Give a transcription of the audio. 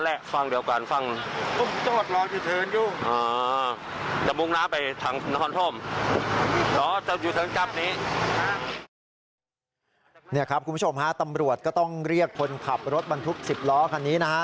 นี่ครับคุณผู้ชมฮะตำรวจก็ต้องเรียกคนขับรถบรรทุก๑๐ล้อคันนี้นะฮะ